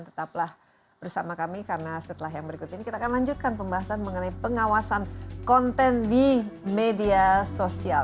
tetaplah bersama kami karena setelah yang berikut ini kita akan lanjutkan pembahasan mengenai pengawasan konten di media sosial